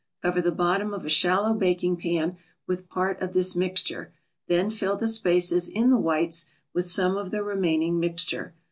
Cover the bottom of a shallow baking pan with part of this mixture, then fill the spaces in the whites with some of the remaining mixture.